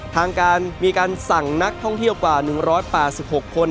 ทางการมีการสั่งนักท่องเที่ยวกว่า๑๘๖คน